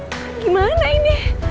ya aduh gimana ini